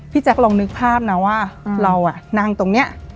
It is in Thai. พี่แจ๊คลองนึกภาพนะว่าเราอะนั่งตรงเนี่ย